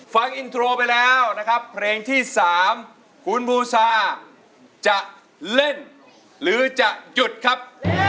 ฟังอินโทรไปแล้วนะครับเพลงที่๓คุณบูซาจะเล่นหรือจะหยุดครับ